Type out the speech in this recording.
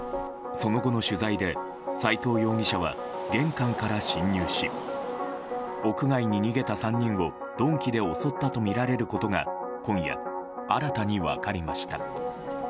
その後の取材で、斎藤容疑者は玄関から侵入し屋外に逃げた３人を鈍器で襲ったとみられることが今夜、新たに分かりました。